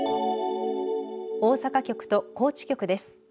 大阪局と高知局です。